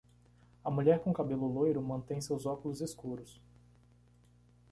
A mulher com cabelo loiro mantém seus óculos escuros.